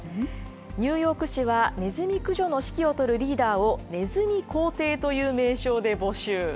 ニューヨーク市は、ネズミ駆除の指揮をとるリーダーをネズミ皇帝という名称で募集。